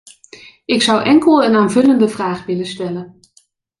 Ik zou enkel een aanvullende vraag willen stellen.